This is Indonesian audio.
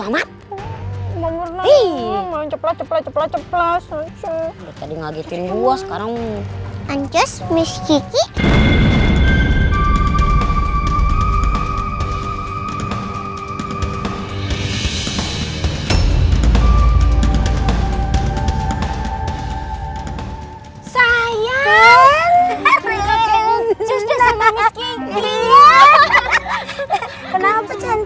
sama sama ngajetin gua sekarang ancus miski sayang